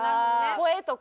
声とか。